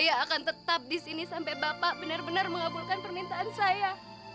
iya akan tetap di sini sampai bapak benar benar mengabulkan permintaan saya